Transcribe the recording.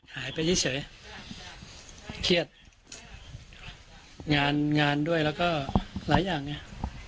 หายไปเฉยเครียดงานงานด้วยแล้วก็หลายอย่างเนี่ย